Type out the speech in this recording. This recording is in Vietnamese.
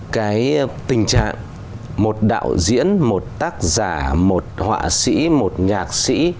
cái tình trạng một đạo diễn một tác giả một họa sĩ một nhạc sĩ